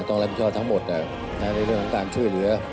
ตอนแรกพีชชอบทั้งหมดน่ะในเรื่องของการช่วยเหลือ